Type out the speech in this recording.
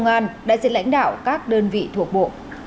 thứ trưởng bộ công an đại diện lãnh đạo các đơn vị thuộc bộ